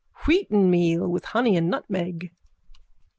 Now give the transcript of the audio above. Wheatenmeal with honey and nutmeg.